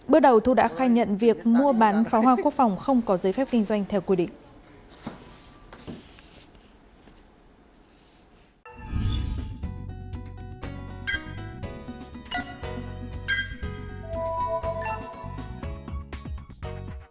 bước đầu thu đã khai nhận việc mua bán pháo hoa quốc phòng không có giới phép kinh doanh theo quy định